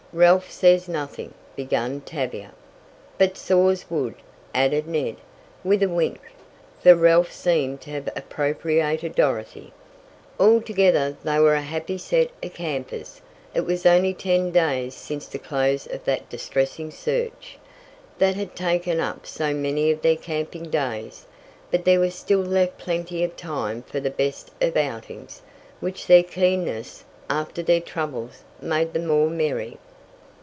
"Ralph says nothing " began Tavia. "But saws wood," added Ned, with a wink, for Ralph seemed to have appropriated Dorothy. Altogether they were a happy set of campers. It was only ten days since the close of that distressing search, that had taken up so many of their camping days, but there was still left plenty of time for the best of outings, which their keenness after their troubles made the more merry.